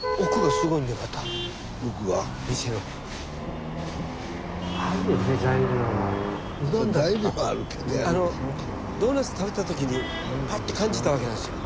スタジオドーナツ食べた時にパッて感じたわけなんですよ。